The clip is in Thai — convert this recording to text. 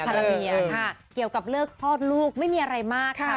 รเบียค่ะเกี่ยวกับเลิกคลอดลูกไม่มีอะไรมากค่ะ